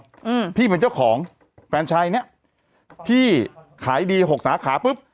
อืมพี่เป็นเจ้าของแฟนชายเนี้ยพี่ขายดีหกสาขาปุ๊บ